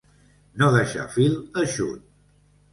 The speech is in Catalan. No deixar fil eixut.